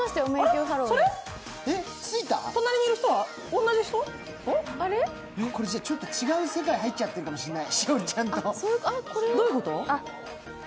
栞里ちゃんとちょっと違う世界に入っちゃってるかもれない。